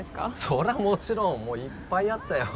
それはもちろんもういっぱいあったよ